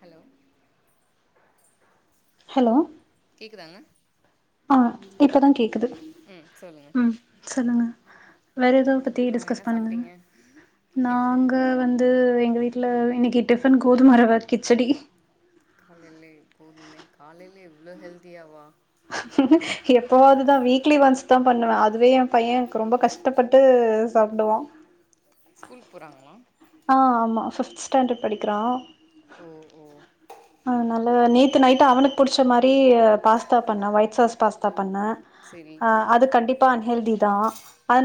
hello hello கேக்குதாங்க ஆன் இப்ப தான் கேக்குது ம் சொல்லுங்க ம் சொல்லுங்க வேற எதோ இத பத்தி அப்புறோ என்ன டிஸ்கஸ் பண்ணுங்க சாப்ட்டீங்க இல்ல இல்ல நாங்க வந் து எங்க வீட்ல இன்னைக்கு டிஃபன் கோதும ரவ கிச்சடி காலயிலே போதுனே காலையிலே இவ்ளோ ஹெல்த்தியாவா எப்பவாது தான் வீக்லி ஒன்ஸ் தான் பண்ணுவேன் அதுவே என் பையன் எனக்கு ரொம்ப கஷ்டப்பட்டு சாப்டுவான் ஸ்கூலுக்கு போறாங்களா ஆ‌ ஆமா ஃபிப்த் ஸ்டாண்டர்ட் படிக்கிறான் ஓ ஓ ஆ நல்ல நேத்து நைட்டு் அவனுக்கு புடிச்ச மாரி பாஸ்தா பண்ணே ஒயிட் சாஸ் பாஸ்தா பண்ணேன் செரி ஆ அது கண்டிப்பா அன்ஹெல்தி தான்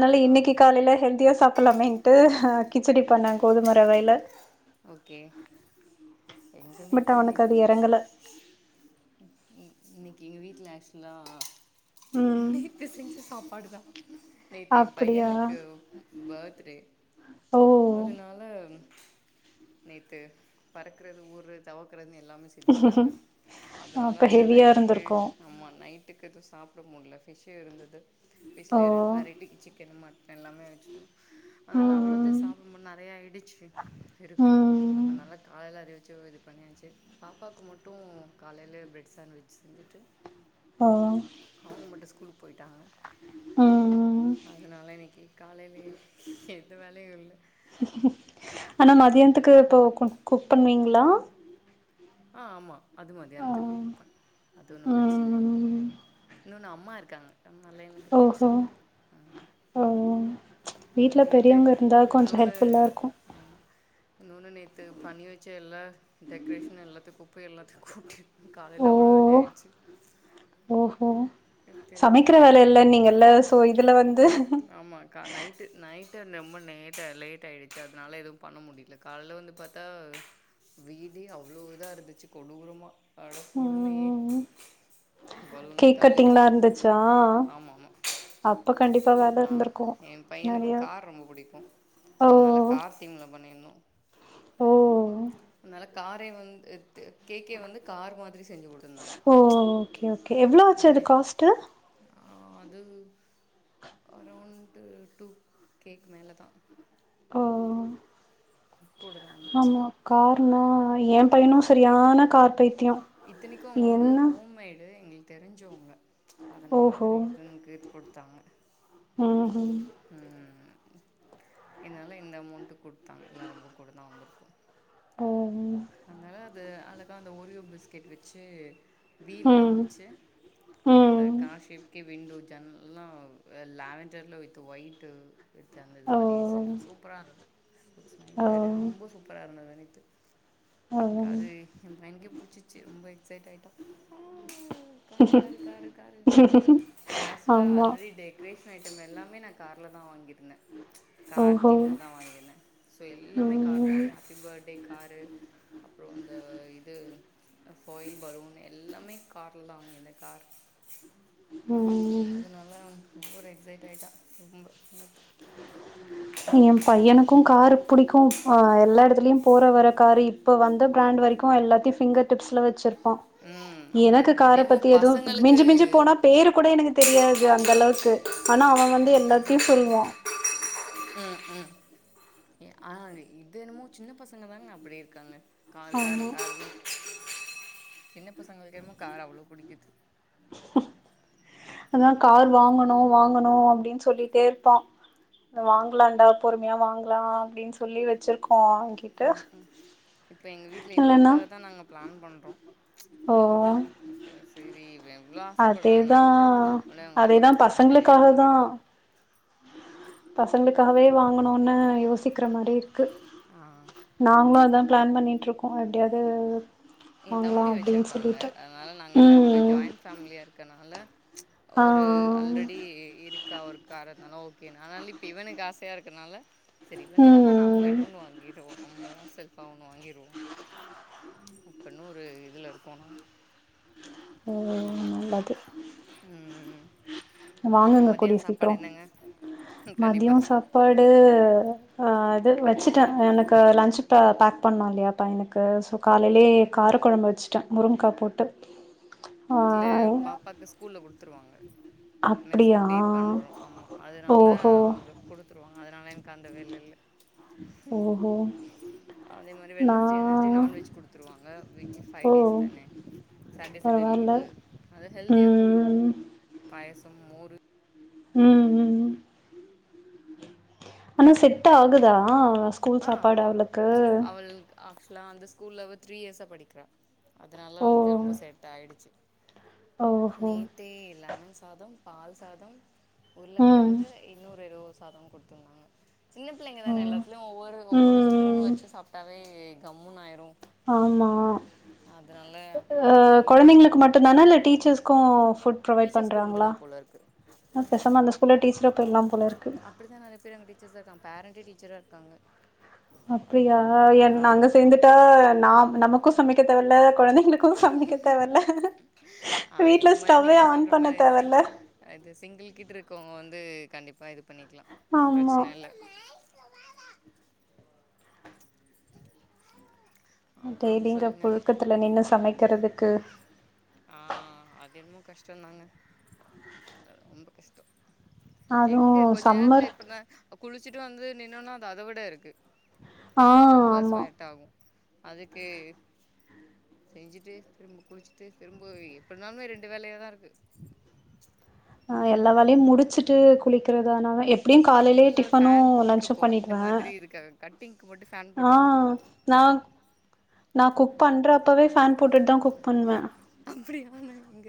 ஆ ஆ இன்னைக்கு காலையில ஹெல்தியா சாப் பண்ணலாமேன்டு கிச்சடி பண்ணே கோதுமரவைல ஓகே எங்க வீட்ல இன்னைக்கு இரங்கல இன்னக்கி எங்க வீட்ல ஆக்சுலா ம் நேத்து செஞ்ச சாப்பாடு தான் நேத்து என் அப்டியா பையனுக்கு பெர்த்டே ஓ அதனால நேத்து பறக்குறது ஊர்றது தவக்குறதுனு எல்லாமே செஞ்சுட்டாங்க அதனால அப்ப அது ஹெவியா நைட்டுக்கு இருந்திருக்கு ஆமா நைட்டுக்கு எதும் சாப்ட முடில ஃபிஷ்ஷு இருந்தது ஓ ஃபிஷ்லயே ரெண்டு வெரைட்டி சிக்கன் மட்டன் எல்லாமே வெச்சுர்ந்தோ அதனால அவ்ளவத்தயும் ம் சாப்டமுன் நெறய ஆய்டுச்சு இருக்கு ம் அதனால கால எல்லாரயும் வச்சு இது பண்ணியாச்சு பாப்பாவுக்கு மட்டும் காலையில ப்ரட் சாண்ட்விச் செஞ்சுட்டு ஓ அவங்க மட்டும் ஸ்கூல் போய்ட்டாங்க ம் அதனால இன்னக்கி காலையில எந்த வேலயும் இல்ல ஆனா மதியானத்துக்கு இப்போ குக் பண்வீங்களா ஆ ஆமா அது ஆ மதியானத்துக்கு வெப்பேன் அது ஒன்னும் பிரச்சன இல்ல ம் இன்னொன்னு அம்மா இருக்காங்க அதுனால எனக்கு ஓஹோ பிரச்சன இல்ல ம் ஓ வீட்ல ம் நேத்து பெரியவங்க இருந்தா கொஞ்சோ இன்னொன்னு ஹெல்ப்ஃபுல்லா இருக்கு ஆமா இன்னொன்னு நேத்து பண்ணி வெச்ச எல்லா டெக்ரேஷன் எல்லாத்தையும் குப்பை எல்லாத்தையும் கூட்டி ஓ காலயில அவ்ளோ வேலையாடுச்சு ஓஹோ இழுத்து சமைக்கிற வேலை பறக்கு இல்லனிங்கள சோ இதுல வந்து ஆமா நைட்டு நைட்டு ரொம்ப லேட் லேட்டாயிடுச்சு அதனால எதுவு பண்ண முடில காலைல வந்து பாத்தா வீடே அவ்ளோ இதா இருந்துச்சு கொடூரமா அடக்கொடுமையே ம் பாலுன்லா கேக் தலையெழுத்து கட்டிங்லா பத்து இருந்துச்சா ஆமாமா அப்ப கண்டிப்பா வேல ஆ இருந்திருக்கு எய பையனுக்கு நெறைய காது ரொம்ப பிடிக்கும் சோ ஓ நல்ல கார்தீம்ல பண்ணிருந்தோ ஓ நல்ல காரே வந்து கேக்கே வந்து கார் மாதிரி செஞ்சு குடுத்துருந்தாங்க ஓ ஓகே ஓகே எவ்ளவு ஆச்சு அது காஸ்ட்டு அது அரவ்ண்ட் டூ கேக்கு மேல தா ஓ ஓ ஓ ம்ம் கூடதா வந்துச்சு கார்னா ஏ பயனு சரியான கார் பைத்தியோ இத்தனக்கும் அவங்க வந்து என்ன ஹோம்மேடு எங்களுக்கு தெரிஞ்சவங்க அதனால இந்த ஓஹோ ரீசன்க்கு குடுத்தாங்க ம் ம் ம்ம் இதனால இந்த அமௌண்ட்டு குடுத்தாங்க இல்ல ரொம்ப கூட தா வந்துருக்கும் ஓ ம் அதனால அத அலகா அந்த ஓரியோ பிஸ்கட் வச்சு வீல்லா ம் வச்சு அந்த கார் ஓ ஷேப்கே விண்டோ ஜன்னல்லா லவண்டர்ல வித் ஒய்ட் வித் அந்த இது மாரி செஞ்சது சூப்பரா இருந்தது ஈஸ்குட்ஸ் நைஸ் ஓ வேறு ரொம்ப ஓ சூப்பரா இருந்தது நேத்து அது எய பயனுக்கே புடிச்சிருச்சு ரொம்ப எக்சைட் ஆய்ட்டா காரு காரு காரு காரு நா ஆக்ஸ்வலா ஆமா ஆல்ரெடி டெக் ஸ்டேஷனரி ஐட்டம் எல்லாமே நா கார்ல தா வாங்கிட்டு இருந்த கார் ஓஹோ தீம்லதா வாங்கின சோ எல்லாமே கார் தா ம் ஹாப்பி பர்ட்டே காரு அப்பற இந்த இது ஃபாயில் பலூன் எல்லாமே கார்ல தா வாங்கியிருந்த கார் ம் அதனால அவ மோர் எக்ஸைட் ஆய்ட்டா ரொம்ப நேத்து ஏ பையனுக்கும் கார் புடிக்கும் அ எல்லா இடத்துலயு போற வர்ர காரு இப்ப வந்த பிராண்ட் வரைக்கும் எல்லாத்தயு ஃபிங்கர் டிப்ஸ்ல வச்சிருப்பா ம் ஆமா எனக்கு அது கார என்னமோ பத்தி எதுவு பசங்களுக்கு மிஞ்சி மிஞ்சி போனா பேரு கூட எனக்கு தெரியாது அந்தளவுக்கு ஆனா அவ வந்து எல்லாத்தையு சொல்லுவா ம் ம் எ ஆ இது என்னமோ சின்ன பசங்க தாங்க அப்டி இருக்காங்க கார் கார் ஆமா காருன்னு சின்ன பசங்களுக்கு என்னமோ கார் அவ்ளோ புடிக்குது அதா கார் வாங்கணு வாங்கணு அப்டின் சொல்லிட்டேருப்பா வாங்கலான்டா பொறுமையா வாங்கலா அப்டின் சொல்லி வச்சிருக்கோ ம் ம் இப்ப எங்க வீட்ல இல்லன்னா இவனுக்காக தா நாங்க பிளன் பண்றோ ஓ ஓக சரி இவ இவ்ளோ ஆசப்பட்றானா அதேதா ஒடனே அவங்க அப்பா அதேதா சொல்லிட்டாங்க சரி பசங்களுக்காக தா வாங்கிடுவோ பசங்களுக்காகவே வாங்கணோன்னு யோசிக்கிற மாரி இருக்கு ஆ நாங்களு அதா பிளான் பண்ணிட்ருக்கோ எப்டியாது எய தம்பி வச்சிருக்காங்க அதனால நாங்க எல்லா போய் ம் ஜாயின் ஃபேமிலியா இருக்கனால ஆ ஒரு அல்ரெடி இருக்கா ஒரு காரனாலு ஓக் கு நானால இப்ப இவனுக்கு ஆசயா இருக்கனால சரி இவனுக்காக நாம்ம ம் இன்னொன்னு வாங்கிடுவோ நம்மளா செல்ஃபா ஒன்னு வாங்கிடுவோ இப்பனு ஒரு இதுல இருக் போனோ ஓ ஓ நல்லது ம் அப்புறம் வாங்குங்க கூடிய மதியானம் சீக்ரோ சாப்பாடு என்னங்க மதியோ கண்டிப்பா சாப்பாடு அ அ இது வச்சுட்டே எனக்கு லன்ச் ப பேக் பண்ணோ இல்லயா பையனுக்கு சோ காலையிலயே கார கொழம்பு வெச்சு ட்டே முருங்கக்கா போட்டு அ ட்ல பாப்பாக்கு ஸ்கூல்ல குடுத்துருவாங்க அப்டியா மெஸ்க்கு பே பண்றோ ஆமா அதுனால ஓஹோ அங்க குடு த்துருவாங்க அதனால எனக்கு அந்த வேல இல்ல ஓஹோ அதே மாரி நா வெனஸ்டே வெனஸ்டே நான்வெஜ் குடுத்துருவாங்க வெஜ்ஜு ஃவை டேஸ் தான சாட்டே சண்டே லீ இல்ல ம் ம் ம் பாயசம் மோறு ம் ம் ம் ஆனா செட் ஆகுதா ஸ்கூல் சாப்பாடு அவளுக்கு ஆக்சுல்லா அந்த ஸ்கூல அவ த்ரீ இயர்ஸா படிக்குறா அதனால ஓ ஓகே ரொம்ப செட் ஆயிடுச்சு ஓஹோ நே த்தே லெமன் சாதோ பால் சாதோ ம் உருளக்கெழங்கு இன்னொரு எதோ ஒரு சாதம் குடுத்துருந்தாங்க சின்ன பிள்ளைங்க ஓ தான எல்லாத் யு ஒவ்வொரு ம் ஒவ்வொரு ஸ்பூன் ம் வச்சு சாப்ட்டாவே கம்முனு ஆயிரு ஆமா அப்படி ஆ சரி சொல்லி நானும் கொழந்தங்களுக்கு விட்டுட்டேன் மட்டுந்தானா இல்ல டீச்சர்ஸ் க்கு ஃபுட் ப்ரொவைட் டீச்சர்ஸ்க்கு உண்டு பண்றாங்களா தான் போல இருக்கு பேசாம அந்த ஸ்கூலே டீச்சரா போயிட்லா போல இருக்கு இப்டிதா நெறைய பேர் அங்க டீச்சர்ஸ்சா இருக்காங்க பேரண்ட்டே டீச்சரா இருக்காங்க அப்டியா என் அங்க ஆமா சேந்துட்டா நாம நமக்கு சமைக்க தேவயில்ல கொழந்தைங்களுக் க்கு சமைக்க தேவயில்ல ஆ வீட்ல ஸ்டவ்வே ஆன் பண்ண தேவயில்ல அது சிங்கிள்கிட் இருக்கவங்க வந்து கண்டிப்பா இது பண்ணிக்குலா ஆமா அப்புறம் டெய்லி இங்க சொல்லுங்க புழுக்கத்துல நின்னு சமைக்கிறதுக்கு ஆ அது என்மோ கஷ்டந்தாங்க ரொம்ப கஷ் ட அதுவு எங்க கொஞ்ச நேரத்துல சம்மர் எப்புனா ப்ப குளிச்சுட்டு வந்து நின்னோனா அது அத விட இருக்கு ஆ ரொம்ப ஆமா ஸ்வெட்டாகு அதுக்கு செஞ்சுட்டு திரும்ப குளிச்சிட்டு திரும்ப எப்டினாலு ரெண்டு வேலையா தா இருக்கு ஆ எல்லா வோலையு முடிச்சுட்டு குளிக்குறதானாவே எ எப்டியு காலைலயே இல்ல ஒரு டிஃபனு ஃபேன் லன்ச்சு போட்டிருக்கோ இந்த பண்ணிடுவே மாதிரி இருக்க கட்டிங்க்கு மட்டு ஃபேன் ஆ போட்டுப்போ நா நா குக் பண்ற அப்பவே ஃபேன் போட்டுட்டு தா குக் பண்ணுவே அப்டியா நா இங்க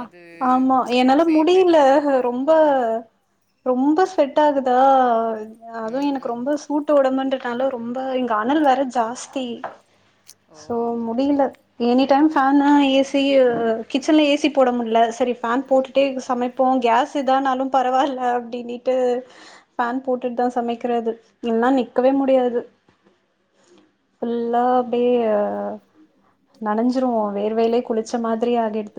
அ அது ஆமா என்னால சேஃப் முடியில இருக்கா சொல்லிட்டு ரொம்ப ம் ரொம்ப ஸ்வெட் ஆகுதா அதுவு ம் எனக்கு ம் ரொம்பஸ் ஸுட்டு ஒடம்புன்றனால ரொம்ப இங்க அனல் வேற ஜாஸ்தி ஓ சோ முடியில any time fan A C கிச்சன்ல ஏசிப் போட முட்ல சரி ஃபேன் ம் போட்டுட்டே ம் சமைப் போ கேஸ் இதானாலு பரவால்ல அப்டின்னிட்டு பேன் போட்டுட் தா சமைக்கிறது இல்ன்னா நிக்கவே முடியாது ஃபுல்லா அப்டியே நனஞ்சிருவோ வேர்வைலே குளிச்ச மாதிரி ஆகிடுத்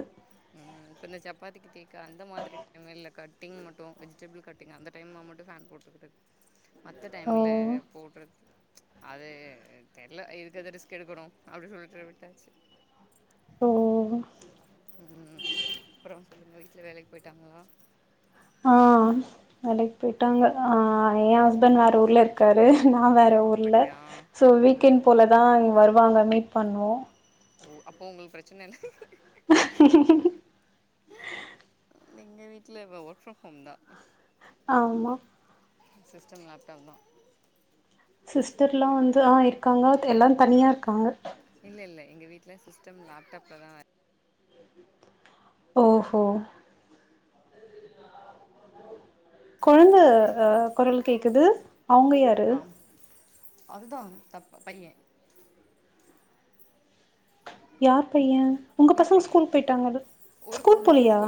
ம் ம் இப்போ இந்தச் சப்பாத்திக்கு தேக்க அந்த மாதிரி ம் இல்லக் கட்டிங் மட்டு வெஜிடபிள் கட் டிங்க அந்தட் டைம்மா மட்டு ஃபேன் போட்டுக்குறது மத்த ஓ டைம்ல போட்றது அது தெரில எதுக்கு அது ரிஸ்க் எடுக்கணு அப்டின் சொல்லிட்டு விட்டாச்சு ம் ம் அப்ரோ சொல்லுங்க வீட்ல எல்லா வேலைக்கு போய்ட்டாங்களா ஆ வேலைக் போய்ட்டாங்க ஆ எ ஹஸ் பண்ட் வேற ஊர்ல இருக்காரு நா வேற ஊர்ல அப்படியா சோ ஓ வீக்கெண்ட் ஓ போலதா இங்க வரு வாங்க மீட் பண்ணுவோ ஓ அப்போ உங்களுக்கு பிரச்சனயில்ல எங்க வீட்ல இப்போ வொர்க் ஃப்ரம் ஹோம் தா ஆமா எ சிஸ்டம் லேப்டாப் தா சிஸ்டர்லா வந்து ஆ இருக்காங்க எல்லா தனியாருக்காங்க இல்லல்ல எங்க வீட்ல சிஸ்டம் லேப்டாப்ல தா வே ஓ கோ கொழந்த அ குரல் கேக்குது அவங்க யாரு ஆம் அதுதா தப் பைய யார் பைய உங்கப் ஏ பசங்க பைய ஸ்கூல் போயிட்டாங்கத ஸ்கூல் போலியா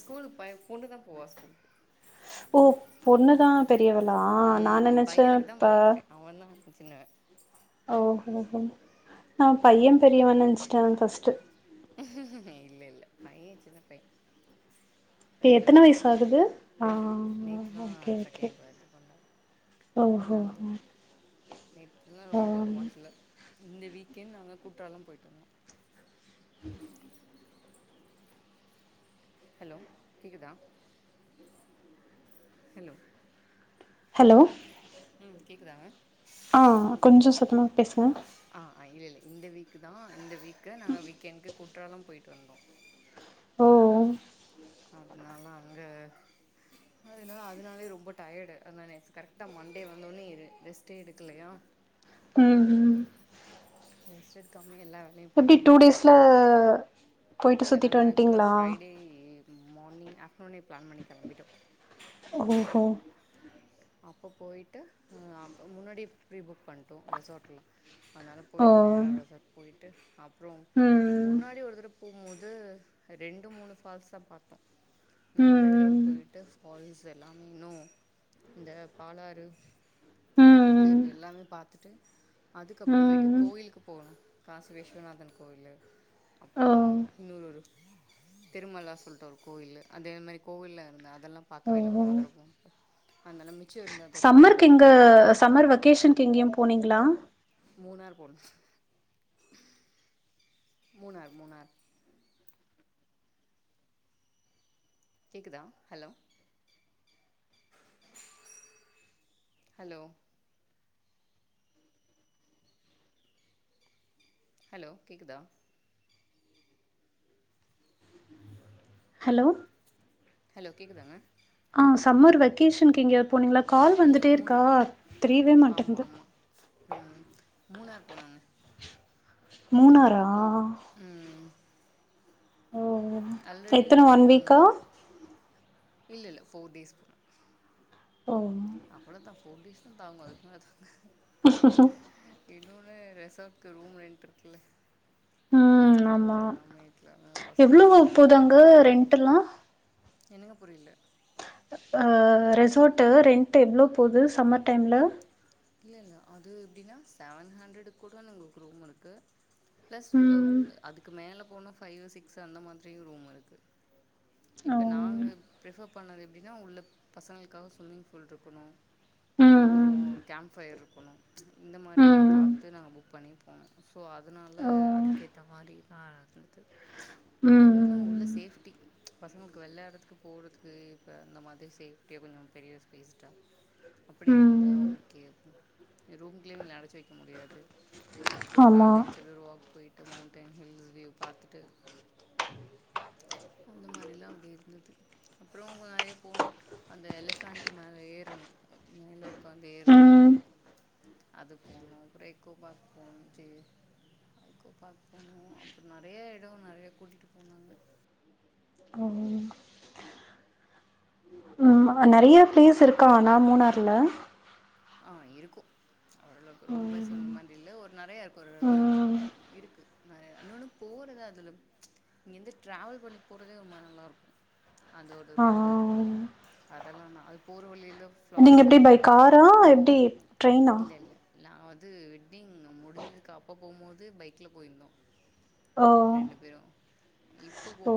ஸ்கூலு பைய பொண்ணு தா போவா ஸ்கூலுக்கு ஓப் பொண்ணுதா பெரியவளா நா ம் நெனச்சேன் பையனுக்கு தான் ப்ப பர்த்டே அவன் தா சின்னவ ஓ கோ கோ நா பையன் பெரியவன் நெனச்சிட்டேன் ஃபஸ்ட்டு இல்ல இல்ல பைய சின்ன பைய இப்ப ரெண்டு எத்தன வயசு வயசாகுது ஆகுது ஆ ரெண்டு நேத்து தா செக்கண்ட் பிரத் டே கொண்டாட் ஓ ஹோ ஹோ நேத்துலா ரொம்ப வாஷ்ல இந்த வீக்கெண் நாங்க குற்றாலம் போயிட்டு வந்தோ ஹலோ கேக்குதா ஹலோ ஹலோ ம் கேக்குதாங்க ஆ கொஞ்சோ சத்தமாப் பேசுங்க ஆ இல்ல இல்ல இந்த வீக்குதா இந்த வீக்கு நாங்க வீக் கெண்க்கு குற்றாலம் போயிட்டு வந்தோ ஓ அதனால அங்க அதனால அதனாலயே ரொம்போ டயர்டு வந்தோனே கரெக்டா மண்டே வந்தோன்னயே ரெஸ்ட்டே எடுக்குலையா ம் ம் ரெஸ்டெடுக்காமே எல்லா வேல லே எப்டி பாத்த டூ மாதிரி டேஸ்ல போயிட்டு இல்ல நாங்க சுத்திட்டு ஆக்சுவலா வந்ட்டீங்ளா ஃப்ரைடே மார்னிங் ஆஃப்ட்டர்னூனே ப்ளான் பண்ணி கெளம்பிட்டோ ஒ ஹோ அப்ப போய்ட்டு ம் அப்ப முன்னாடி ப்ரீ புக் பண்ட்டோ ரெசாட்ல அதனால ஓ போயிட்டு நேரா ரெசார்ட் போயிட்டு அப்ற ம் முன்னாடி ஒருதர போம்போது ரெண்டு மூனு ஃபால்ஸ்தா பாத்தோ நா ம் இந்த தரவ ம் போய்ட்டு ஃபால்ஸ் எல்லாமே இன்னு இந்த பாலாறு ம் ம் புலியருவி எல்லாமே பாத்துட்டு அதுக்கப்பறமேட்டு ம் கோயிலுக்கு போகணு காசி விஸ்வநாதன் கோயிலு அப்றோ ஓ இன்னொரு ஒரு திருமலா சொல்ட்டு ஒரு கோயிலு அதே மாரி கோவில்ல இருந்தா ல்லாம் பாக்கவேல்ல ஓஹோ போனழழ்தரவ போம் சம்மருக்கு இங்க சம்மர் வெக்கேஷன்க்கு எங்கியு போனீங்களா மூணார் போனோ மூணார் மூணார் கேக்குதா ஹலோ ஹலோ ஹலோ கேக்குதா ஹலோ ஹலோ கேக்குதாங்க ஆ சம்மர் வெக்கேஷனுக்கு எங்கயாது போனீங்ளா கால் இல்ல வந்துடேடே இருக்கா மூணார் தெரீவே ஆமா மாட்டேங்கிது ஆமா ம் மூணாரு போனன்னே மூணாரா ம் ஓ ஆல்ரெடி எத்தன ஒன் நாங்க வீக்கா இல்லல்ல ஃபோர் டேஸ் தா ஓ அவ்வள தா ஃபோர் டேஸ் தா தாங்கு அதுக் மேல தாங்காது இன்னொன்னு ரெசார்ட்க்கு ரூம் ரென்ட் இருக்குல்ல ம் ஆமா அதெல்லாமே இதுல காஸ்ட்லி எவ்வளோ அதனால போது அங்க அதுங்க ரெண்ட்டெல்லா என்னங்க புரியல ஆ ரெசார்ட்டு ரெண்ட்டு எவ்ளோ போது சம்மர் டைம்ல இல்லல்ல அது எப்டின்னா செவன் ஹண்ட்ரடு கூட உங்களுக்கு ரூம் இருக்கு ப்ளஸ் ஆ ம் அதுக்கு மேல போனா ஃபைவு சிக்ஸ் அந்த மாதிரியு ரூம் இருக்கு ஓ இப்ப நாங்க பிரிஃபர் பண்ணது எப்டின்னா உள்ள பசங்களுக்காக சும்மிங் ஃபூல்ருக்கணு ம் அப்பறோ ம் கேம் ஃபயர் இருக்கணு இந்த மாரில்லா ம் பாத் து நாங்க புக் பண்ணி போனோ ஸோ அதனால ஓ அதுக்கேத்த மாரிதா இருந்துது உன்னுன்னு உள்ள ம் சேஃப்டி பசங்களுக்கு வெளாட்றதுக்கு போறதுக்கு இப்ப இந்த மாதிரி சேஃப்டியா கொஞ்ச பெரிய பேசிட்டா அப்புடி இருந்தா ஓ ம் ஓகே அப்ப ரூம்க்ங்‌இங்கஜ ல்ல அடச்சு வைக்க முடியாது ஆமா கால்ல எந்ச்சு அப்டியே ஒரு வாக் போய்ட்டு மௌண்டைன் ஹில்ஸ் வியூ பாத்துட்டு அந்த மாரில்லா அப்டி இருந்துது அப்ற நெறைய போணு அந்த எலிஃபேன்ட்டு மேல ஏறனு மேல உக்காந்து ஏறது ம் ஒன்னுருக்கு அது போணு அத் தி ளப்பற எக்கோ பார்க் போணு சே எனக்கும் பாக்கணு போனோ அப்ற நெறைய எட நெறைய கூட்டிட்டு போனாங்க ஆ ம்மா நெறைய ப்ளேஸ் இருக்கா அனா மூனார்ல ஆ இருக்கு ஓரளவுக்கு ரொம்ப சொன்ன ம் மாரி இல்ல ஒரு நெறைய இருக்கு ஒரு ம் இருக்கு ந இன்னொன்னு போறத அதுல இங்கேந்து ட்ராவல் பண்ணி போறதே ரொம்ப நல்லாருக்கு அதோட ஆ ரோடு அதெல்லா தா அது போற வழில நீங்க எப்டி பை காரா எப்டி ட்ரெயினா இல்ல இல்ல நா வந்து வெட்டிங் முடிஞ்சதுக்கு அப்போ போம்போது பைக்ல போயிந்தோ ஓ ரெண்டு ஓ பேரு இப்போ போ